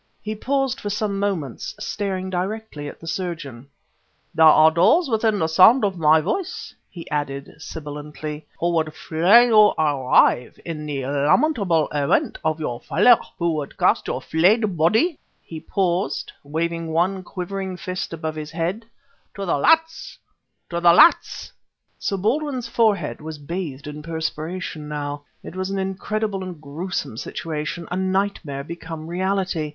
He paused for some moments, staring directly at the surgeon. "There are those within sound of my voice," he added sibilantly, "who would flay you alive in the lamentable event of your failure, who would cast your flayed body" he paused, waving one quivering fist above his head, "to the rats to the rats!" Sir Baldwin's forehead was bathed in perspiration now. It was an incredible and a gruesome situation, a nightmare become reality.